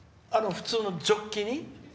普通のジョッキに？